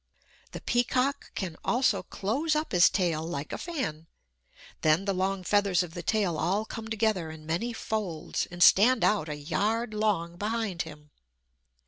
The peacock can also close up his tail like a fan. Then the long feathers of the tail all come together in many folds, and stand out a yard long behind him.